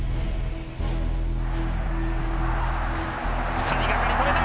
２人がかり止めた。